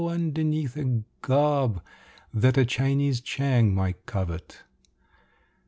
underneath a garb that a Chinese Chang might covet.